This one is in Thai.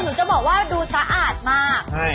หมู่หนูมันจะบอกว่าดูสะอาดมาก